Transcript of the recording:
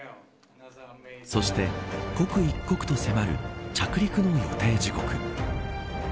そして、刻一刻と迫る着陸の予定時刻。